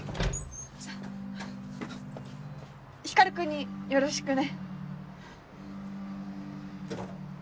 光君によろしくね。